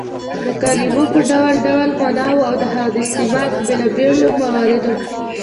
د کلیمو په ډول ډول ماناوو او د هغو د استعمال په بېلابيلو مواردو